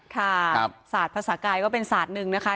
ค่ะศาสตร์ภาษากายก็เป็นศาสตร์หนึ่งนะคะ